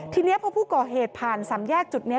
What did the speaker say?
ทีนี้พอผู้ก่อเหตุผ่านสามแยกจุดนี้